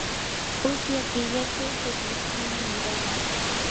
usya killachu chukllushkuna mirayan.